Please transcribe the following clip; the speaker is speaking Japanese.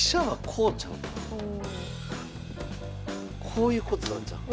こういうことなんちゃう？